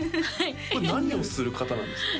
これ何をする方なんですか？